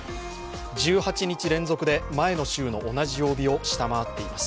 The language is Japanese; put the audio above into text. １８日連続で前の週の同じ曜日を下回っています。